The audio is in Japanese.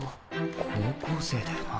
高校生だよな？